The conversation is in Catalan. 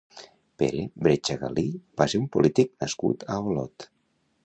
Pere Bretcha Galí va ser un polític nascut a Olot.